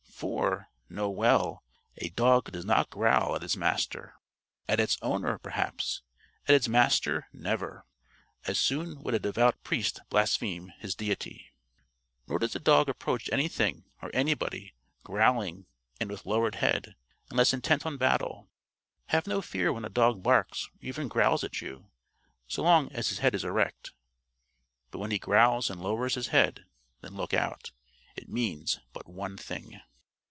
For, know well, a dog does not growl at its Master. At its owner, perhaps; at its Master, never. As soon would a devout priest blaspheme his deity. Nor does a dog approach anything or anybody, growling and with lowered head, unless intent on battle. Have no fear when a dog barks or even growls at you, so long as his head is erect. But when he growls and lowers his head then look out. It means but one thing.